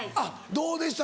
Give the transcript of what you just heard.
どうでした？